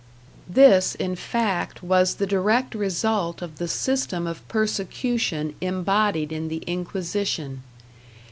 This, in fact, was the direct result of the system of persecution embodied in the Inquisition.